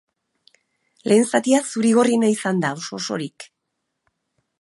Lehen zatia zuri-gorriena izan da, oso-osorik.